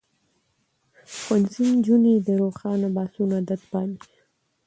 ښوونځی نجونې د روښانه بحثونو عادت پالي.